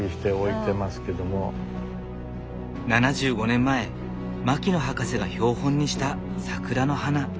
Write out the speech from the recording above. ７５年前牧野博士が標本にしたサクラの花。